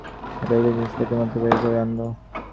ওদেরকে জিনিসপত্রের মতো বের করে আনবো।